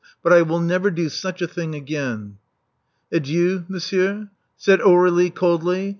But I will never do such a thing again." Adieu, monsieur," said Aur^lie coldly.